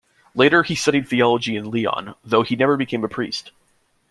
Later he studied theology in Lyon, though he never became a priest.